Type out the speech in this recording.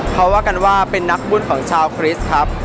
เขาว่ากันว่าเป็นนักบุญของชาวคริสต์ครับ